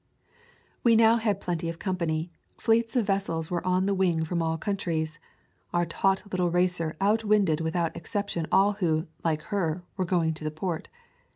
We now had plenty of company; fleets of vessels were on the wing from all countries. Our taut little racer outwinded without ex ception all who, like her, were going to the port.